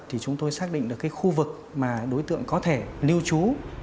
thì chúng tôi xác định được cái khu vực mà đối tượng có thể lưu trú